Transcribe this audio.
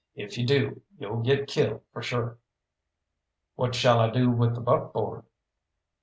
If you do you'll get killed for sure." "What shall I do with the buckboard?"